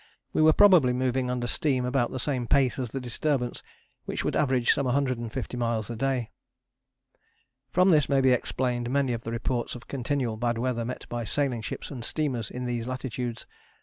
We were probably moving under steam about the same pace as the disturbance, which would average some 150 miles a day. From this may be explained many of the reports of continual bad weather met by sailing ships and steamers in these latitudes.